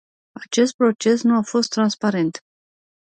Acest proces nu a fost transparent.